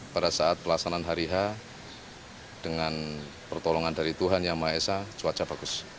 pada saat pelaksanaan hari h dengan pertolongan dari tuhan yang maha esa cuaca bagus